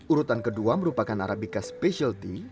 urutan kedua merupakan arabica specialty